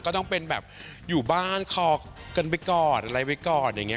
ก็ต้องเป็นแบบอยู่บ้านคอกันไปก่อนอะไรไว้ก่อนอย่างนี้